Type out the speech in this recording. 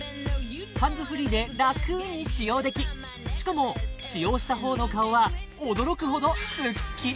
ハンズフリーでラクに使用できしかも使用した方の顔は驚くほどスッキリ！